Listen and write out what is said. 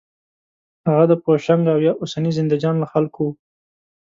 هغه د پوشنګ او یا اوسني زندهجان له خلکو و.